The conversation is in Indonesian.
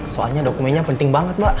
soalnya dokumennya penting banget mbak